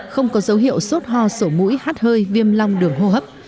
khổ mũi hát hơi viêm long đường hô hấp